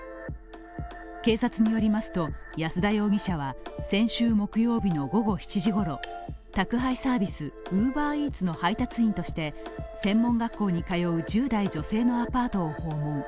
警察によりますと安田容疑者は先週木曜日の午後７時ごろ宅配サービス、ＵｂｅｒＥａｔｓの配達員として専門学校に通う１０代女性のアパートを訪問。